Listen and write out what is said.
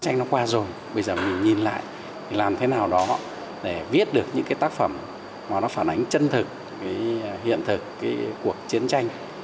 nó qua rồi bây giờ mình nhìn lại làm thế nào đó để viết được những tác phẩm mà nó phản ánh chân thực hiện thực cuộc chiến tranh